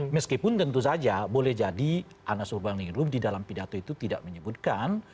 meskipun tentu saja boleh jadi anas urbaningrum di dalam pidato itu tidak menyebutkan